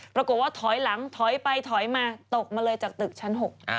ปรากฏว่าถอยหลังถอยไปถอยมาตกมาเลยจากตึกชั้น๖